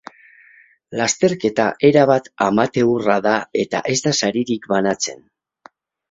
Lasterketa erabat amateurra da eta ez da saririk banatzen.